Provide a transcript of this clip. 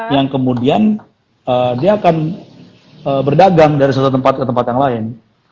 yang kemudian dia akan berdagang dari satu tempat ke tempat yang lain